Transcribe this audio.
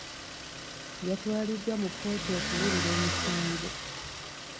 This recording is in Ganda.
Yatwaliddwa mu kkooti okuwulira omusango.